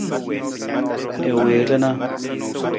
I wii rana.